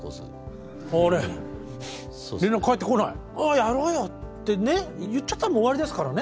やろうよってね言っちゃったらもう終わりですからね。